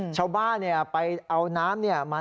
ชาวบ้านไปเอาน้ำมา